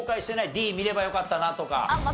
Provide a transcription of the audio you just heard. Ｄ見ればよかったなとか。